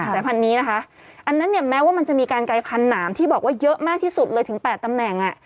สายพันธุ์นี้นะคะอันนั้นเนี่ยแม้ว่ามันจะมีการกลายพันธนามที่บอกว่าเยอะมากที่สุดเลยถึง๘ตำแหน่ง